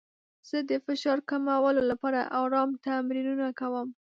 زه د فشار کمولو لپاره ارام تمرینونه کوم.